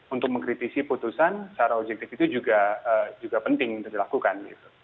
untuk mengkritisi putusan secara objektif itu juga penting untuk dilakukan